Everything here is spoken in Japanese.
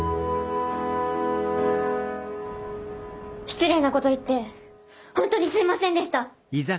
失礼なこと言って本当にすいませんでした。